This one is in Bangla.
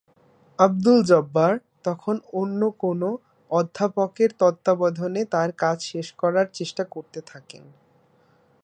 আবদুল জব্বার তখন অন্য কোনো অধ্যাপকের তত্ত্বাবধানে তার কাজ শেষ করার চেষ্টা করতে থাকেন।